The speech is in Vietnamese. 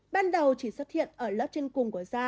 ban đầu chỉ xuất hiện ở lớp trên cùng của da